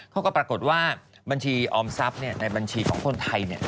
เขาก็ปรากฏว่าบัญชีออมทรัพย์ในบัญชีของคนไทย